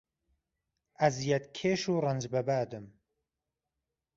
ئەزیەت کێش و رەنج بە بادم